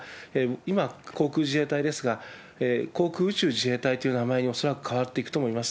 今航空自衛隊ですが、航空宇宙自衛隊という名前に、恐らく変わっていくと思います。